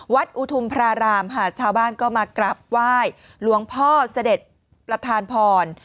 อุทุมพระรามค่ะชาวบ้านก็มากราบไหว้หลวงพ่อเสด็จประธานพร